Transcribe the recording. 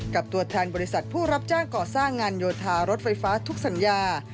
กับตัวแทนบริษัทผู้รับจ้างก่อสร้างงานโยธารถไฟฟ้าทุกสัญญา